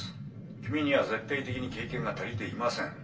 君には絶対的に経験が足りていません。